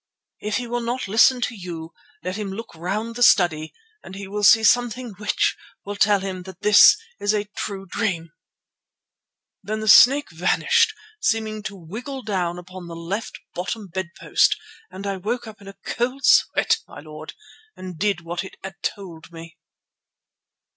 If he will not listen to you let him look round the study and he will see something which will tell him that this is a true dream." "'Then the snake vanished, seeming to wriggle down the left bottom bed post, and I woke up in a cold sweat, my lord, and did what it had told me.